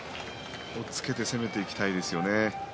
押っつけて攻めていきたいですね。